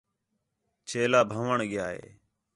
چیلا بھن٘ؤݨ ڳِیا ہِے